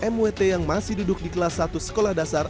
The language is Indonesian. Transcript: mwt yang masih duduk di kelas satu sekolah dasar